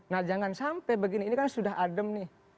nah jangan sampai begini ini kan sudah adem nih